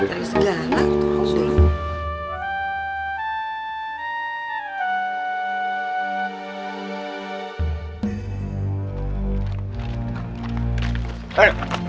usah makin hapi